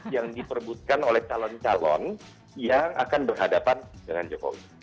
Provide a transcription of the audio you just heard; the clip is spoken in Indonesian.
yang diperbutkan oleh calon calon yang akan berhadapan dengan jokowi